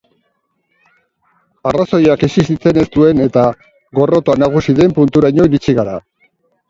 Arrazoiak existitzen ez duen eta gorrotoa nagusi den punturaino iritsi gara.